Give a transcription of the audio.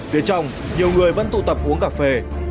phía trong nhiều người vẫn tụ tập uống cà phê